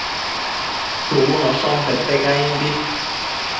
shubunoshon pete caimbi